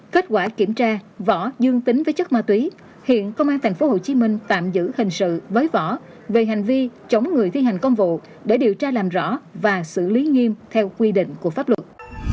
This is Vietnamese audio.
kết quả kiểm tra vỏ dương tính với chất ma túy hiện công an tp hcm tạm giữ hình sự với võ về hành vi chống người thi hành công vụ để điều tra làm rõ và xử lý nghiêm theo quy định của pháp luật